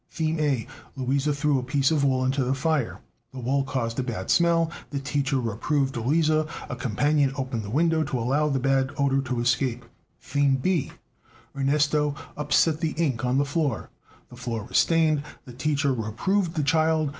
Theme A. Luisa threw a piece of wool into the fire. (The wool caused a bad smell. The teacher reproved Luisa. A companion opened the window to allow the bad odor to escape.) Theme B. Ernesto upset the ink on the floor. (The floor was stained. The teacher reproved the child.